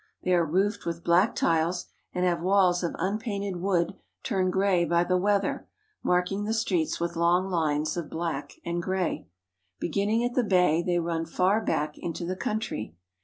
They are roofed with black tiles and have walls of unpainted wood turned gray by the weather, marking the streets with long lines of black and gray. Beginning at the bay, they run far back into the country.